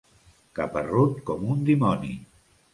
Caparrut com un dimoni.